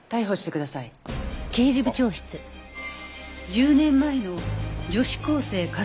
１０年前の女子高生滑落事故。